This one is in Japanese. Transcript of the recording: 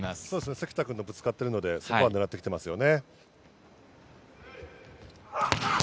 関田君とぶつかってきているので、そこは狙ってきていますよね。